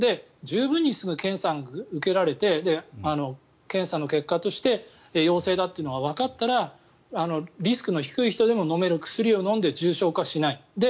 十分にすぐ検査が受けられて検査の結果として陽性だとわかったらリスクの低い人でも飲める薬を飲んで重症化しない。